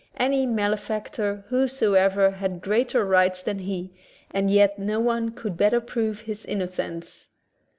Any malefactor whosoever has greater rights than he, and yet no one could better prove his innocence.